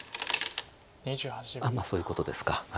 そういうことですか。